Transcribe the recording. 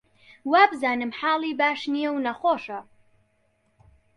وابزانم حاڵی باش نییە و نەخۆشە